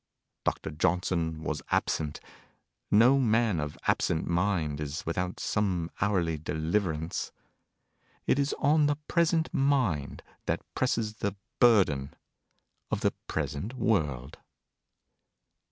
Dr. Johnson was "absent." No man of "absent" mind is without some hourly deliverance. It is on the present mind that presses the burden of the present world.